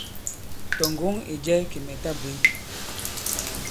Tɔ̀ ŋgǒŋ ì jɛ kì mɛ̀ ta bwě.».